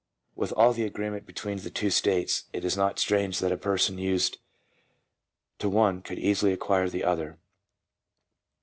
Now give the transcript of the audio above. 1 With all the agreement between the two states, it is not strange that a person used to one could easily acquire the other.